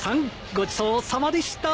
ごちそうさまでした。